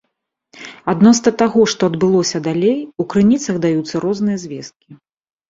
Адносна таго, што адбылося далей, у крыніцах даюцца розныя звесткі.